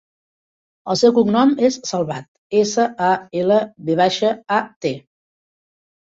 El seu cognom és Salvat: essa, a, ela, ve baixa, a, te.